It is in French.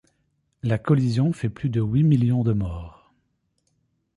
La collision fait plus de huit millions de morts.